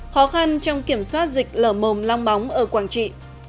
khó khăn trong kiểm soát dịch lở mồm long móng ở quảng trị